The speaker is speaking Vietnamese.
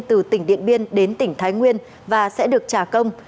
từ tỉnh điện biên đến tỉnh thái nguyên và sẽ được trả công